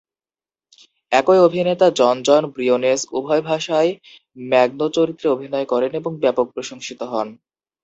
একই অভিনেতা জনজন ব্রিওনেস উভয় ভাষায় ম্যাগনো চরিত্রে অভিনয় করেন এবং ব্যাপক প্রশংসিত হন।